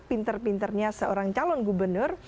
pintar pintarnya seorang calon gubernur